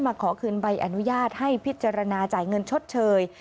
ขอคืนใบอนุญาตให้พิจารณาจ่ายเงินชดเชย